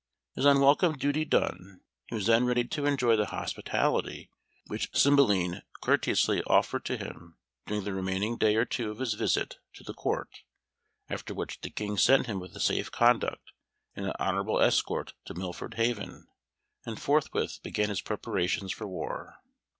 His unwelcome duty done, he was then ready to enjoy the hospitality which Cymbeline courteously offered to him during the remaining day or two of his visit to the Court, after which the King sent him with a safe conduct and an honourable escort to Milford Haven, and forthwith began his preparations for war.